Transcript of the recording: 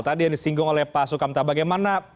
tadi yang disinggung oleh pak sukamta bagaimana